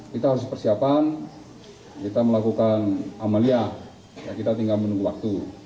kita harus persiapan kita melakukan amalia kita tinggal menunggu waktu